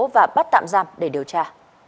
và bắt tạm giam để điều tra